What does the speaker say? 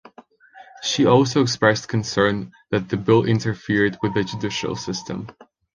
She also expressed concern that the bill interfered with the judicial system.